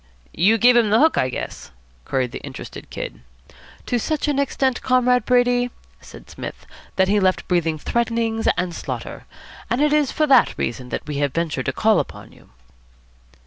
"You gave him the hook, I guess?" queried the interested Kid. "To such an extent, Comrade Brady," said Psmith, "that he left breathing threatenings and slaughter. And it is for that reason that we have ventured to call upon you."